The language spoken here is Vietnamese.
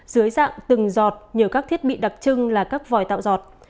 dưới dạng từng giọt nhờ các thiết bị đặc trưng là các vòi tạo giọt